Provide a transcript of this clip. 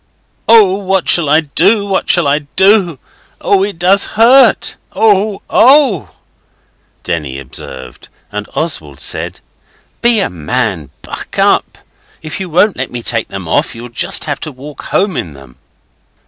'Oh, what shall I do? What shall I do? Oh, it does hurt! Oh, oh!' Denny observed, and Oswald said 'Be a man! Buck up! If you won't let me take them off you'll just have to walk home in them.